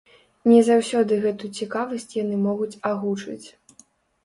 Не заўсёды гэту цікавасць яны могуць агучыць.